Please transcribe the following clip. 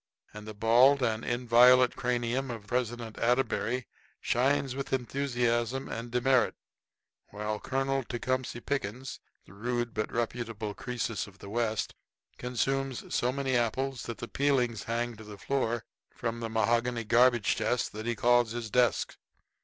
And the bald and inviolate cranium of President Atterbury shines with enthusiasm and demerit, while Colonel Tecumseh Pickens, the rude but reputable Croesus of the West, consumes so many apples that the peelings hang to the floor from the mahogany garbage chest that he calls his desk.